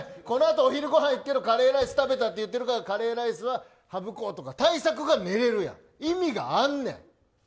このあとお昼ごはん行くけどカレーライス食べたって言ってるからカレーライスはやめようとか対策がとれるやん。